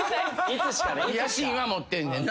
野心は持ってんねんな。